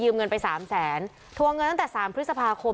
ยืมเงินไปสามแสนถัวเงินนั้นแต่สามพฤษภาคม